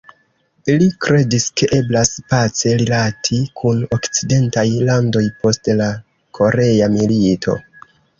Li kredis ke eblas pace rilati kun okcidentaj landoj post la Korea milito.